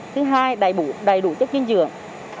thứ hai đầy đủ chất kiên dưỡng